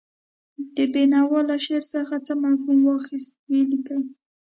د بېنوا له شعر څخه څه مفهوم واخیست ولیکئ.